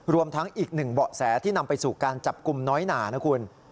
รวมทั้งอีกหนึ่งเบาะแสที่นำไปสู่การจับกลุ่มน้อยหนานะคุณ